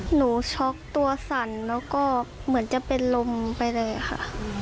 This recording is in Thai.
ช็อกตัวสั่นแล้วก็เหมือนจะเป็นลมไปเลยค่ะ